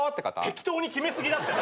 適当に決め過ぎだって。